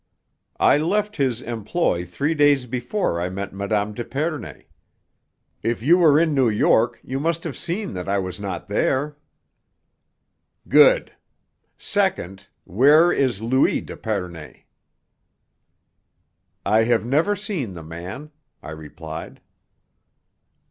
"I left his employ three days before I met Mme. d'Epernay. If you were in New York you must have seen that I was not there." "Good. Second, where is Louis d'Epernay?" "I have never seen the man," I replied.